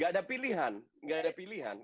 tidak ada pilihan